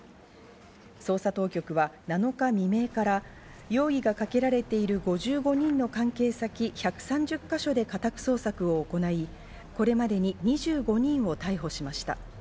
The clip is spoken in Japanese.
捜査当局は７日未明から容疑がかけられている５５人の関係先１３０か所で家宅捜索を行い、これまでに２５人を逮捕しました。